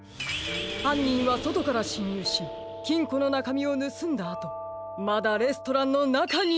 はんにんはそとからしんにゅうしきんこのなかみをぬすんだあとまだレストランのなかにいます！